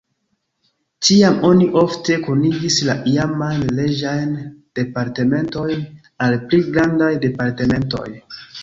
Tiam oni ofte kunigis la iamajn reĝajn departementojn al pli grandaj departementoj.